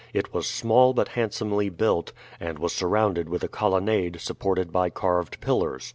It was small but handsomely built, and was surrounded with a colonnade supported by carved pillars.